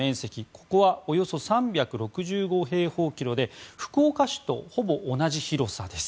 ここはおよそ３６５平方キロメートルで福岡市とほぼ同じ広さです。